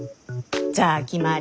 じゃあ決まり。